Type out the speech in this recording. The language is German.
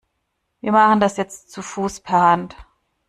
Wir machen das jetzt zu Fuß per Hand.